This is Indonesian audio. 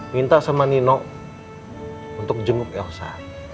minta sama nino untuk jenguk elsa